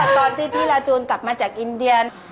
ตอนที่พี่ลาจูนกลับมาจากอินเดีย